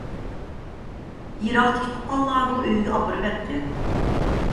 يىراقتىكى تۇغقانلارنىڭ ئۆيىگە ئاپىرىۋەتكەن.